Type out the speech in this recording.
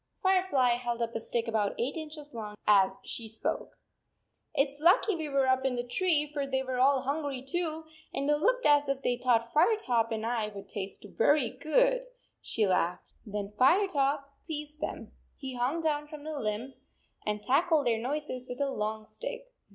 17 Fire fly held up a stiqk about eight inches long, as she spoke. 41 It s lucky we were up in the tree, for they were all hungry too, and they looked as if they thought Firetop and I would taste very good," she laughed. "Then Firetop teased them. He hung down from the limb and tickled their noses with a long stick.